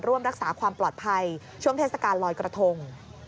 ร่วมรักษาความปลอดภัยช่วงเทศกาลลอยกระทง